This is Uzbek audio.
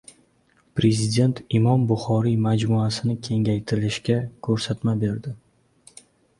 Prezident Imom Buxoriy majmuasini kengaytirishga ko‘rsatma berdi